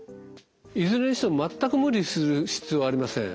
いずれにしても全く無理する必要はありません。